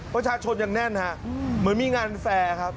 ประชาชนยังแน่นฮะเหมือนมีงานแฟร์ครับ